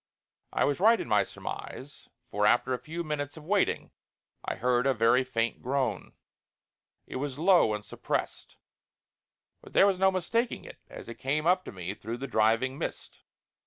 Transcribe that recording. I was right in my surmise, for after a few minutes of waiting I heard a very faint groan. It was low and suppressed, but there was no mistaking it as it came up to me through the driving mist.